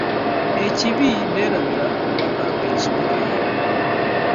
Ekibi neerabira okubagamba ensonga eyo.